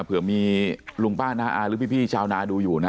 เผื่อมีลุงป้าน้าอาหรือพี่ชาวนาดูอยู่นะ